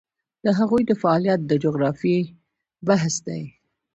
د هغوی د فعالیت د جغرافیې بحث دی.